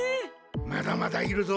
まだまだいるぞ！